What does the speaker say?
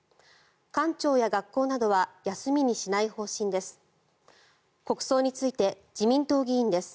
官庁や学校などは休みにしない方針です。